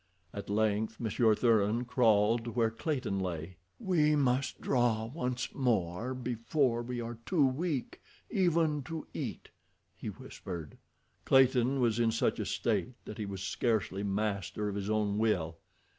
At length Monsieur Thuran crawled to where Clayton lay. "We must draw once more before we are too weak even to eat," he whispered. Clayton was in such a state that he was scarcely master of his own will.